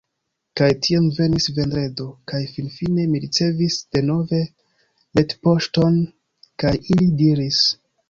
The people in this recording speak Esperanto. Kaj tiam venis Vendredo, kaj finfine, mi ricevis denove retpoŝton, kaj ili diris: